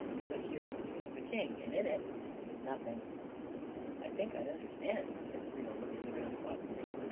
But here is the tomb of a king and in it — nothing 1 "" I think I understand," said Creel, looking around thoughtfully.